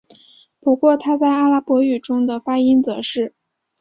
不过它在阿拉伯语中的发音则是。